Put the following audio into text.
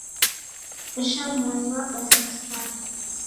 Ujha mwai wabanda kisaya.